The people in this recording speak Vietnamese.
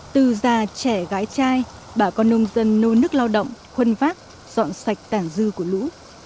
từ già trẻ gái trai bà con nông dân nôn nước lao động khuân vác dọn sạch tản dư của lũ